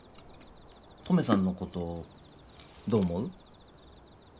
トメさんのことどう思う？